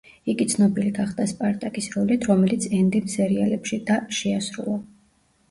იგი ცნობილი გახდა სპარტაკის როლით, რომელიც ენდიმ სერიალებში და შეასრულა.